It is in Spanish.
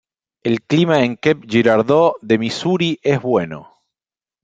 El clima en Cape Girardeau de Misuri es bueno.